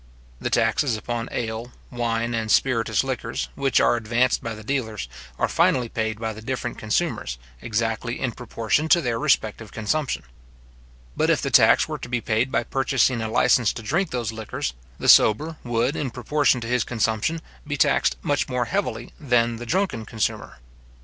The taxes upon ale, wine, and spiritous liquors, which are advanced by the dealers, are finally paid by the different consumers, exactly in proportion to their respective consumption. But if the tax were to be paid by purchasing a licence to drink those liquors, the sober would, in proportion to his consumption, be taxed much more heavily than the drunken consumer.